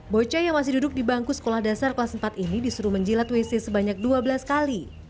bocah yang masih duduk di bangku sekolah dasar kelas empat ini disuruh menjilat wc sebanyak dua belas kali